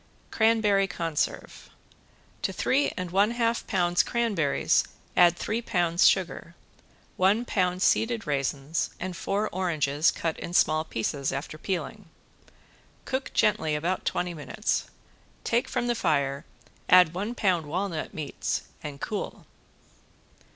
~CRANBERRY CONSERVE~ To three and a half pounds cranberries add three pounds sugar, one pound seeded raisins and four oranges, cut in small pieces after peeling. Cook gently about twenty minutes, take from the fire, add one pound walnut meats, and cool.